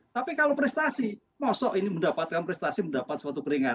tapi kalau prestasi mosok ini mendapatkan prestasi mendapat suatu keringan